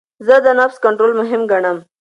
زه د نفس کنټرول مهم ګڼم.